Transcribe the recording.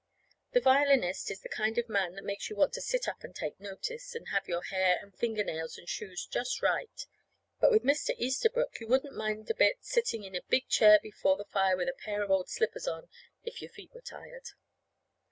The violinist is the kind of a man that makes you want to sit up and take notice, and have your hair and finger nails and shoes just right; but with Mr. Easterbrook you wouldn't mind a bit sitting in a big chair before the fire with a pair of old slippers on, if your feet were tired.